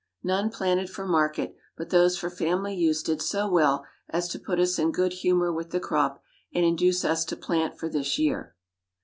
_ None planted for market; but those for family use did so well as to put us in good humor with the crop, and induce us to plant for this year.